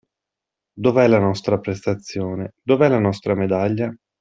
Dov'è la nostra prestazione, dov'è la nostra medaglia?